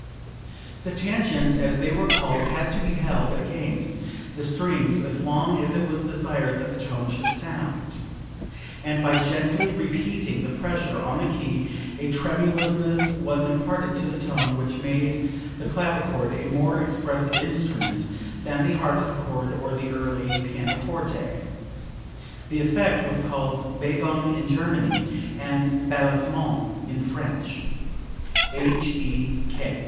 The tangents, as they were called, had to be held against the strings as long as it was desired that the tone should sound, and by gently repeating the pressure on the key a tremulousness was imparted to the tone which made the clavichord a more expressive instrument than the harpsichord or the early pianoforte. The effect was called Bebung in German, and Balancement in French. H.E.